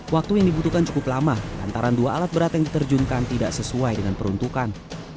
waktu yang dibutuhkan cukup lama lantaran dua alat berat yang diterjunkan tidak sesuai dengan peruntukan